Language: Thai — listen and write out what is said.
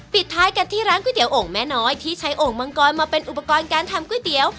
ปิดท้ายกันที่ร้านก๋วยเตี๋ยโอ่งแม่น้อยที่ใช้โอ่งมังกรมาเป็นอุปกรณ์การทำก๋วยเตี๋ยว